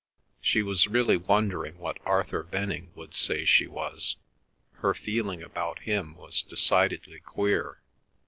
She was really wondering what Arthur Venning would say she was. Her feeling about him was decidedly queer.